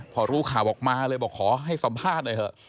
พอรู้ข่าวออกมาเลยบอกขอให้สัมภาษณ์หน่อยเถอะ